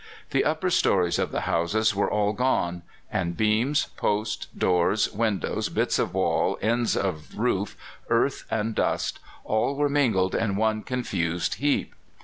The upper stories of the houses were all gone, and beams, posts, doors, windows, bits of wall, ends of roof, earth and dust, all were mingled in one confused heap.